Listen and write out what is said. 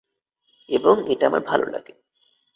এবং এটা আমার ভালো লাগে।